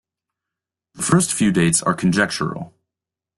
The first few dates are conjectural.